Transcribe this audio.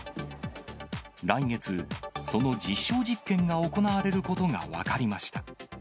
来月、その実証実験が行われることが分かりました。